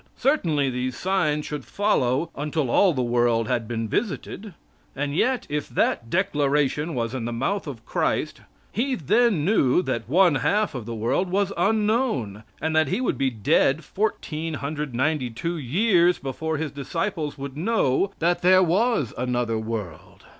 Certainly these signs should follow until all the world had been visited. And yet if that declaration was in the mouth of Christ, he then knew that one half of the world was unknown and that he would be dead 1,492 years before his disciples would know that there was another world.